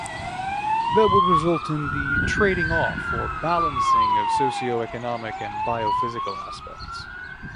That would result in the 'trading off' or balancing of socio-economic and biophysical aspects.